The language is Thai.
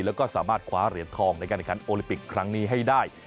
แล้วก็สามารถคว้าเหรียญทองในการแข่งขันโอลิปิกครั้งนี้ให้ได้